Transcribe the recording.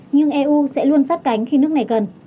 nhưng eu sẽ luôn sát cánh khi nước này cần